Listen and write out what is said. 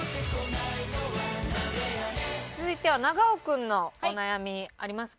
続いては長尾君のお悩みありますか？